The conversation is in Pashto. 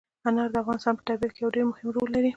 انار د افغانستان په طبیعت کې یو ډېر مهم رول لري.